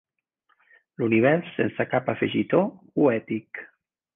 L'univers sense cap afegitó poètic.